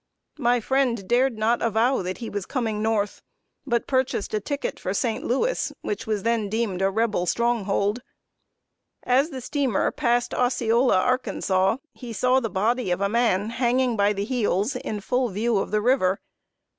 My friend dared not avow that he was coming North, but purchased a ticket for St. Louis, which was then deemed a Rebel stronghold. [Sidenote: A HORRIBLE SPECTACLE IN ARKANSAS.] As the steamer passed Osceola, Arkansas, he saw the body of a man hanging by the heels, in full view of the river.